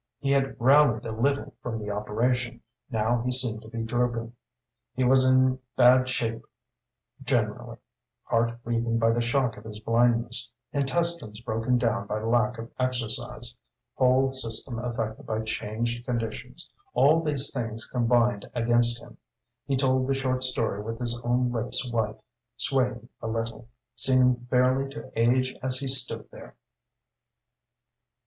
He had rallied a little from the operation; now he seemed to be drooping. He was in bad shape generally, heart weakened by the shock of his blindness, intestines broken down by lack of exercise, whole system affected by changed conditions all these things combined against him. He told the short story with his own lips white, swaying a little, seeming fairly to age as he stood there.